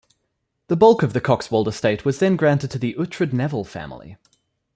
The bulk of the Coxwold estate was then granted to the Uhtred-Neville family.